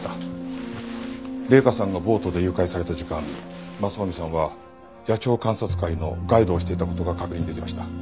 麗華さんがボートで誘拐された時間雅臣さんは野鳥観察会のガイドをしていた事が確認できました。